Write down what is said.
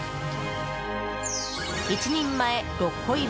１人前、６個入り。